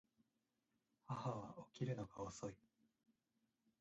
母は起きるのが遅い